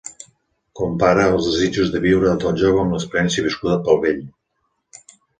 Compara els desitjos de viure del jove amb l'experiència viscuda pel vell.